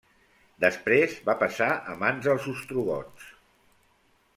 Després va passar a mans dels ostrogots.